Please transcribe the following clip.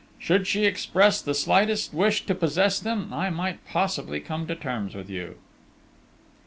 Should she express the slightest wish to possess them, I might possibly come to terms with you...."